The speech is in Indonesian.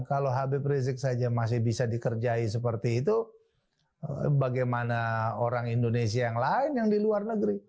kalau habib rizik saja masih bisa dikerjai seperti itu bagaimana orang indonesia yang lain yang di luar negeri